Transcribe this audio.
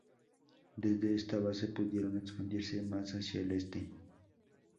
Desde esta base, pudieron expandirse más hacia el este.